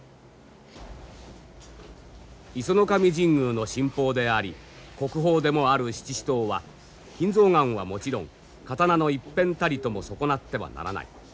石上神宮の神宝であり国宝でもある七支刀は金象眼はもちろん刀の一片たりとも損なってはならない。